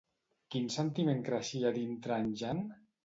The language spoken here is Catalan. Quin sentiment creixia dintre en Jan?